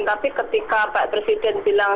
tapi ketika pak presiden bilang